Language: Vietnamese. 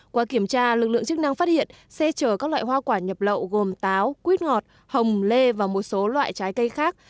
qua kiểm tra lực lượng chức năng phát hiện xe chở các loại hoa quả nhập lậu gồm táo quýt ngọt hồng lê và một số loại trái cây khác